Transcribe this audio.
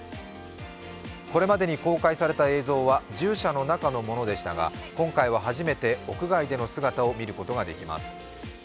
これまでに公開された映像は獣舎の中での映像でしたが今回は初めて屋外での姿を見ることができます。